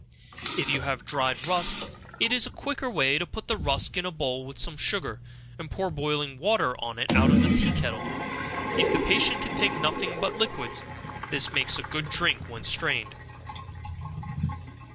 If you have dried rusk, it is a quicker way to put the rusk in a bowl with some sugar, and pour boiling water on it out of the tea kettle. If the patient can take nothing but liquids, this makes a good drink when strained.